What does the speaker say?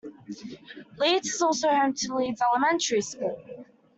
Leeds is also home to Leeds Elementary School.